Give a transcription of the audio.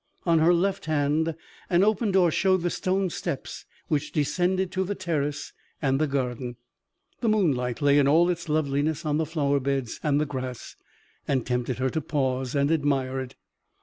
On her left hand, an open door showed the stone steps which descended to the terrace and the garden. The moonlight lay in all its loveliness on the flower beds and the grass, and tempted her to pause and admire it.